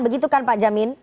begitu kan pak jamin